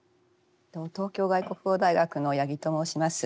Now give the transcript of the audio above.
東京外国語大学の八木と申します。